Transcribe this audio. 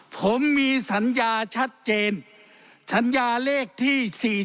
ผมมีสัญญาชัดเจนสัญญาเลขที่๔๔